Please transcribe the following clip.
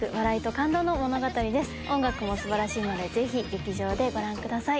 山擇素晴らしいのでぜひ劇場でご覧ください。